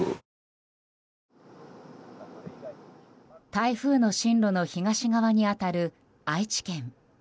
台風の進路の東側に当たる愛知県。